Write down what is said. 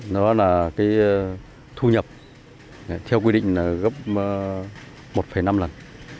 nó là thu nhập theo quy định gấp một năm lần